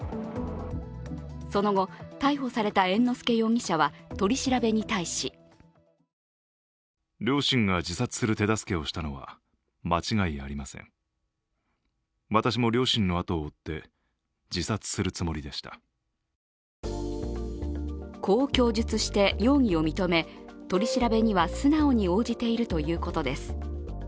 その後、逮捕された猿之助容疑者は取り調べに対しこう供述して容疑を認め取り調べには素直に応じているということです。